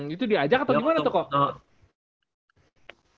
itu diajak atau gimana tuh kok